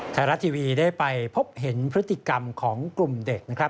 ไทยรัฐทีวีได้ไปพบเห็นพฤติกรรมของกลุ่มเด็กนะครับ